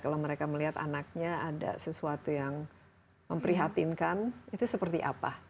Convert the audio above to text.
kalau mereka melihat anaknya ada sesuatu yang memprihatinkan itu seperti apa